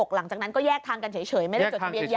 หลังจากนั้นก็แยกทางกันเฉยไม่ได้จดทะเบียนยา